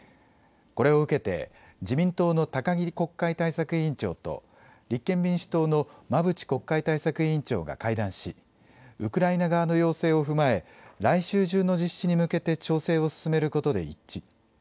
これを受けて、自民党の高木国会対策委員長と、立憲民主党の馬淵国会対策委員長が会談し、ウクライナ側の要請を踏まえ、来週中の実施に向けて調整を進めることで一致。